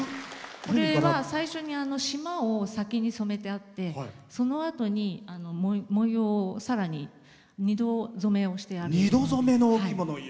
これは最初に縞を先に染めてあってそのあとに模様をさらに二度染めをしてある。